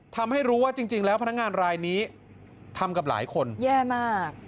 ทำให้รู้ว่าจริงแล้วพนักงานรายนี้ทำกับหลายคนแย่มาก